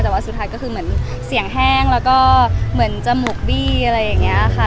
แต่ว่าสุดท้ายก็คือเหมือนเสียงแห้งแล้วก็เหมือนจมูกบี้อะไรอย่างนี้ค่ะ